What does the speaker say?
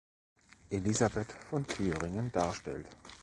Elisabeth von Thüringen darstellt.